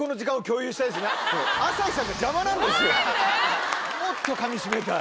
何で⁉もっとかみしめたい。